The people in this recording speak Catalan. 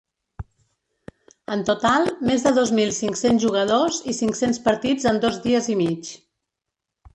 En total, més de dos mil cinc-cents jugadors i cinc-cents partits en dos dies i mig.